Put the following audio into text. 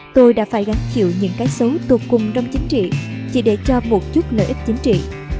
tôi đã phải gánh chịu những cái xấu tột cùng trong chính trị chỉ để cho một chút lợi ích chính trị